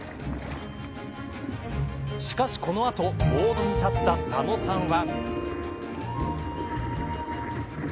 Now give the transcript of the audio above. しかし、この後ボードに立った佐野さんは。